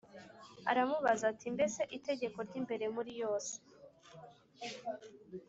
aramubaza ati Mbese itegeko ry imbere muri yose